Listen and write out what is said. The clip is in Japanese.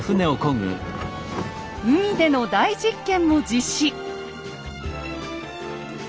海での大実験も実施！